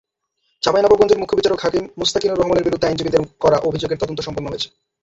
চাঁপাইনবাবগঞ্জের মুখ্য বিচারিক হাকিম মোস্তাকিনুর রহমানের বিরুদ্ধে আইনজীবীদের করা অভিযোগের তদন্ত সম্পন্ন হয়েছে।